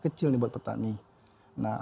kecil nih buat petani nah